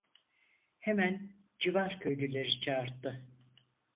Hemen civar köylüleri çağırttı.